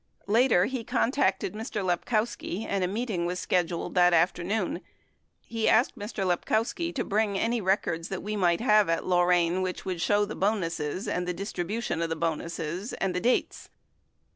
Later, he contacted Mr. Lepkow ski and a meeting was scheduled that afternoon. He asked Mr. Lepkowski to bring any records that we might have at Lorain which would show the bonuses and the distribution of the bonuses and the dates.